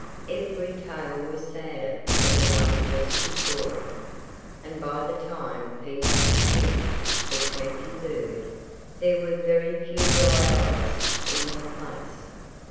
Every tale was sadder than the one just before it. And by the time Peter had finished the twenty third, there were very few dry eyes in the place.